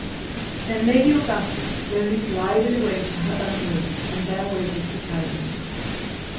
Then Lady Augustus slowly glided away to her own room and there waited for tidings.